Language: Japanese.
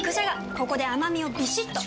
ここで甘みをビシッと！